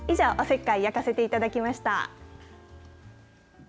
以上、おせっかい焼かせていただきました。